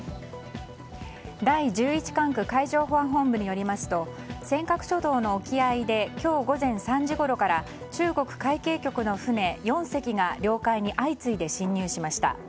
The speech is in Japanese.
第１１管区海上保安本部によりますと尖閣諸島の沖合で今日午前３時ごろから中国海警局の船４隻が領海に相次いで侵入しました。